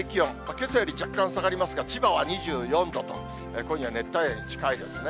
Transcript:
けさより若干下がりますが、千葉は２４度と、今夜、熱帯夜に近いですね。